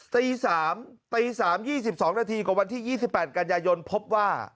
ตี๓ตี๓๒๒นาทีกับวันที่๒๘กันยายนพบว่า